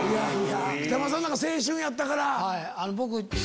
北村さんなんか青春やったから。